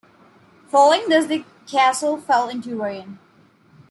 Following this the castle fell into ruin.